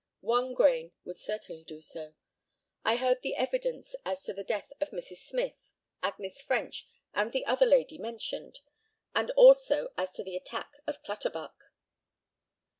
One grain would certainly do so. I heard the evidence as to the death of Mrs. Smyth, Agnes French, and the other lady mentioned, and also as to the attack of Clutterbuck.